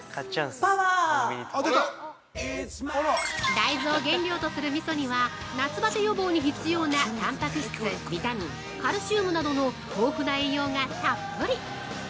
◆大豆を原料とする、みそには夏バテ予防に必要な、たんぱく質、ビタミン、カルシウムなどの豊富な栄養がたっぷり！